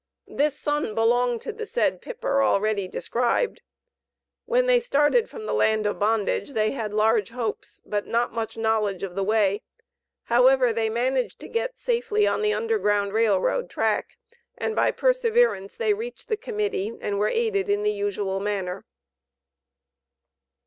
This son belonged to the said Pipper already described. When they started from the land of bondage they had large hopes, but not much knowledge of the way; however, they managed to get safely on the Underground Rail Road track, and by perseverance they reached the Committee and were aided in the usual manner.